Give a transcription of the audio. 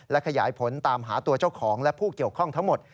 และขยายผลตามหาตัวเจ้าของและผู้เกี่ยวข้องทั้งหมด